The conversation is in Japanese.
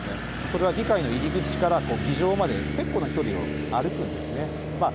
それは議会の入り口から議場まで結構な距離を歩くんですね。